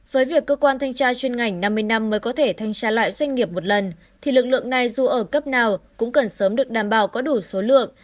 với việc cơ quan thanh tra chuyên ngành năm mươi năm mới có thể thanh tra lại doanh nghiệp một lần thì lực lượng này dù ở cấp nào cũng cần sớm được đảm bảo có đủ số lượng